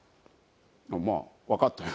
まあわかったよ。